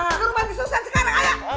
ke rumah susan sekarang ayo